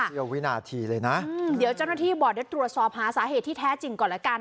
เที่ยววินาทีเลยนะเดี๋ยวเจ้าหน้าที่บอกเดี๋ยวตรวจสอบหาสาเหตุที่แท้จริงก่อนแล้วกัน